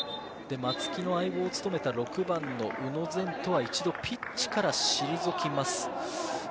松木の相棒を務めた６番の宇野禅斗は一度ピッチから退きます。